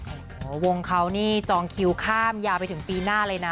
โอ้โหวงเขานี่จองคิวข้ามยาวไปถึงปีหน้าเลยนะ